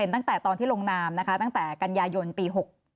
ตั้งแต่ตอนที่ลงนามนะคะตั้งแต่กันยายนปี๖๖